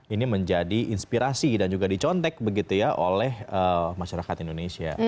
ini menjadi inspirasi dan juga dicontek begitu ya oleh masyarakat indonesia